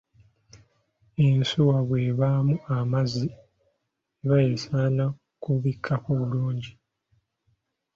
Ensuwa bw'ebaamu amazzi eba esaana kubikkako bulungi.